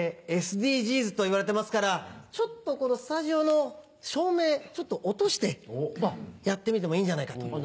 ＳＤＧｓといわれてますからちょっとこのスタジオの照明落としてやってみてもいいんじゃないかと。